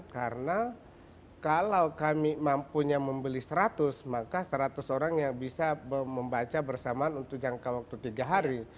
karena kalau kami mampunya membeli seratus maka seratus orang yang bisa membaca bersamaan untuk jangka waktu tiga hari